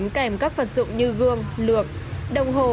văn phòng phẩm còn đính kèm các vật dụng như gương lược đồng hồ